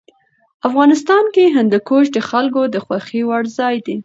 افغانستان کې هندوکش د خلکو د خوښې وړ ځای دی.